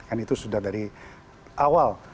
kan itu sudah dari awal